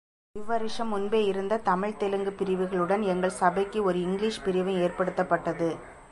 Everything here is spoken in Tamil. இவ் வருஷம், முன்பே இருந்த தமிழ் தெலுங்குப் பிரிவுகளுடன் எங்கள் சபைக்கு ஒரு இங்கிலீஷ் பிரிவும் ஏற்படுத்தப்பட்டது.